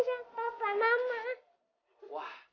sekarang pilih ini